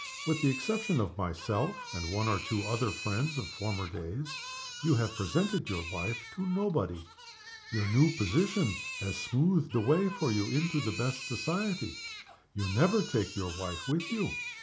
With the exception of myself, and one or two other friends of former days, you have presented your wife to nobody. Your new position has smoothed the way for you into the best society. You never take your wife with you.